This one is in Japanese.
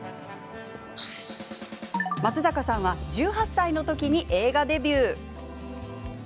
松坂さんは１８歳の時に映画デビュー。